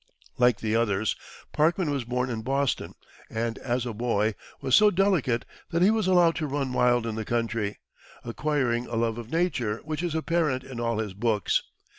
Like the others, Parkman was born in Boston, and, as a boy, was so delicate that he was allowed to run wild in the country, acquiring a love of nature which is apparent in all his books.